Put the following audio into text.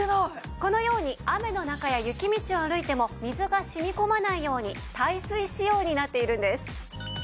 このように雨の中や雪道を歩いても水がしみ込まないように耐水仕様になっているんです。